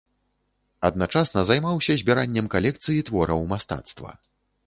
Адначасна займаўся збіраннем калекцыі твораў мастацтва.